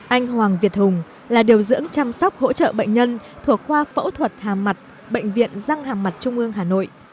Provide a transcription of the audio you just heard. anh hoàng việt hùng là điều dưỡng chăm sóc hỗ trợ bệnh nhân thuộc khoa phẫu thuật hàm mặt bệnh viện răng hàm mặt trung ương hà nội